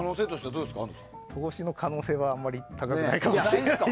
投資の可能性はあんまり高くないかもしれないです。